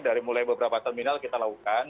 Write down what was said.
dari mulai beberapa terminal kita lakukan